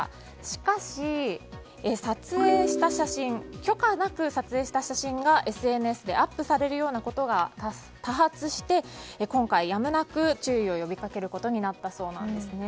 しかし、撮影した写真許可なく撮影した写真がＳＮＳでアップされるようなことが多発し今回、やむなく注意を呼びかけることになったそうなんです。